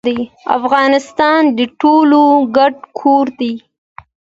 افغانستان د ټولو ګډ کور دی